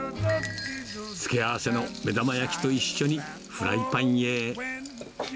付け合わせの目玉焼きと一緒にフライパンへ。